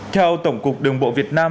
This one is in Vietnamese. theo tổng cục đường bộ việt nam